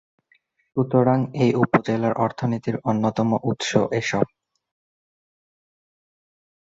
সুতরাং, এ উপজেলার অর্থনীতির অন্যতম উৎস এসব।